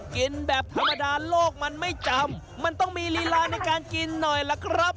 กินแบบธรรมดาโลกมันไม่จำมันต้องมีลีลาในการกินหน่อยล่ะครับ